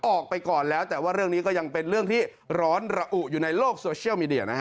ออกไปก่อนแล้วแต่ว่าเรื่องนี้ก็ยังเป็นเรื่องที่ร้อนระอุอยู่ในโลกโซเชียลมีเดียนะฮะ